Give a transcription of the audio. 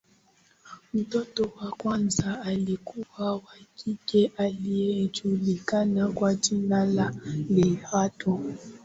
Mtoto wa kwanza alikuwa wa kike aliyejulikana kwa jina la Lerato